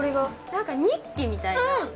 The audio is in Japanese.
なんかニッキみたいな。